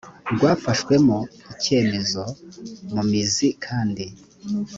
rwafashwemo icyemezo mu mizi kandi